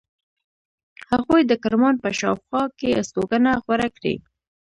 هغوی د کرمان په شاوخوا کې استوګنه غوره کړې.